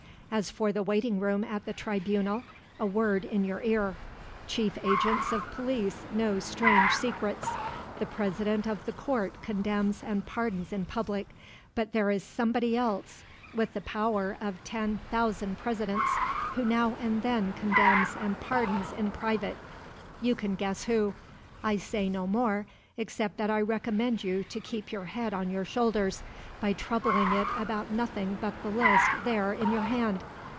As for the waiting room at the tribunal, a word in your ear: chief agents of police know strange secrets. The president of the court condemns and pardons in public; but there is somebody else, with the power of ten thousand presidents, who now and then condemns and pardons in private. You can guess who. I say no more, except that I recommend you to keep your head on your shoulders, by troubling it about nothing but the list there in your hand.